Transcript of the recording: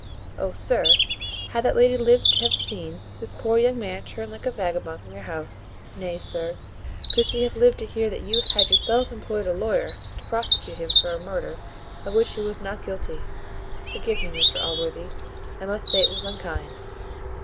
Oh! sir, had that lady lived to have seen this poor young man turned like a vagabond from your house: nay, sir, could she have lived to hear that you had yourself employed a lawyer to prosecute him for a murder of which he was not guilty Forgive me, Mr Allworthy, I must say it was unkind.